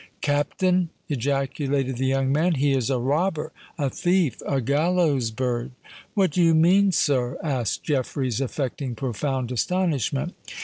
"Captain!" ejaculated the young man: "he is a robber—a thief—a gallows bird!" "What do you mean, sir?" asked Jeffreys, affecting profound astonishment.